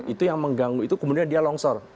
itu yang mengganggu itu kemudian dia longsor